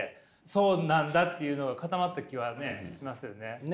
そうなんだっていうのが固まった気はねしますよね。